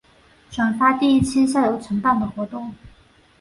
转发第一期校友承办的活动